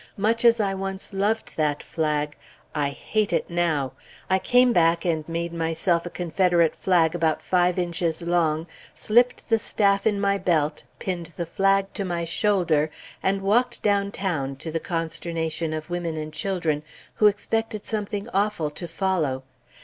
Much as I once loved that flag, I hate it now! I came back and made myself a Confederate flag about five inches long, slipped the staff in my belt, pinned the flag to my shoulder, and walked downtown, to the consternation of women and children, who expected something awful to follow.